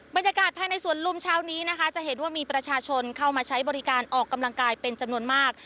บรรยากาศภายในสวนลุมเช้านี้นะคะจะเห็นว่ามีประชาชนเข้ามาใช้บริการออกกำลังกายเป็นจำนวนมาก